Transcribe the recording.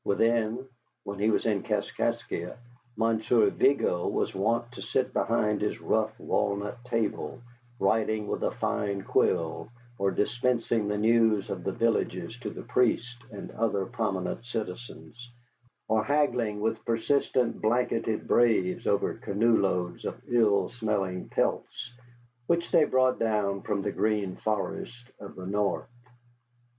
Within, when he was in Kaskaskia, Monsieur Vigo was wont to sit behind his rough walnut table, writing with a fine quill, or dispensing the news of the villages to the priest and other prominent citizens, or haggling with persistent blanketed braves over canoe loads of ill smelling pelts which they brought down from the green forests of the north.